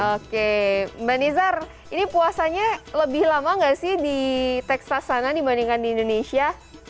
oke mbak nizar ini puasanya lebih lama nggak sih di texas sana dibandingkan di indonesia